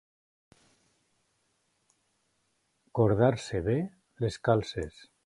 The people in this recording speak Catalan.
Cordar-se bé les calces.